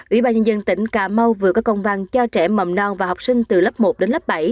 ủy ban nhân dân tỉnh cà mau vừa có công văn cho trẻ mầm non và học sinh từ lớp một đến lớp bảy